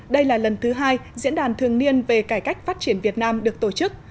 đây là lần thứ hai diễn đàn thường niên về cải cách phát triển việt nam được tổ chức